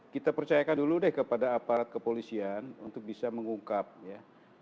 kita percayakan dulu deh kepada aparat kepolisian untuk bisa mengungkap ya